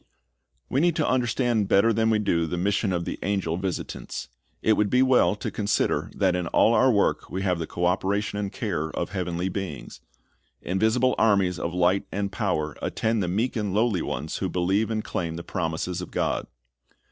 We need to understand better than we do the mission of the angel visitants. It would be well to consider that in all our work we have the co operation and care of heavenly beings. Invisible armies of light and power attend the meek and lowly ones who believe and claim the promises of God.